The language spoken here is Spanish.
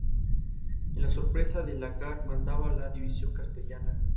En la sorpresa de Lácar mandaba la división castellana.